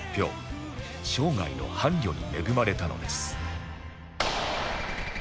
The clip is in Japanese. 生涯の伴侶に恵まれたのです